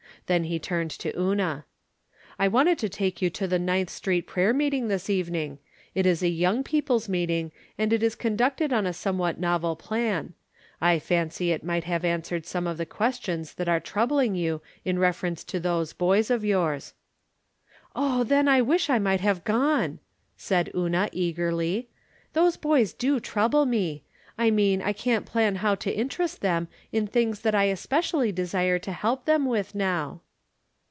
Then he turned to Una : "I wanted to take you to the Ninth Street prayer meeting this evening. It is a young peo ple's meeting, and it is conducted on a somewhat novel plan. I fancy it might have answered some of the questions that are troubling you in refer ence to ' those boys ' of yours." " Oh, then, I wish I might have gone," said Una, eagerly. " Those boys do trouble me. I mean I can't plan how to interest them in things that I specially desire to help them with now."